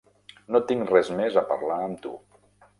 No tinc res més a parlar amb tu.